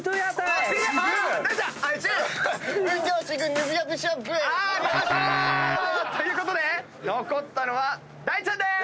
ＯＵＴ！ということで残ったのは大ちゃんです！